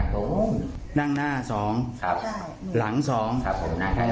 ขับรถตามมาให้หนูแซงเลย